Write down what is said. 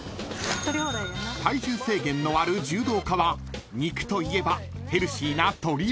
［体重制限のある柔道家は肉といえばヘルシーな鶏胸肉］